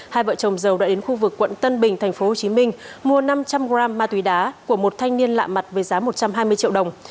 hai vợ chồng dầu đã đến khu vực quận tân bình tp hcm mua năm trăm linh g ma túy đá của một thanh niên lạ mặt với giá một trăm hai mươi triệu đồng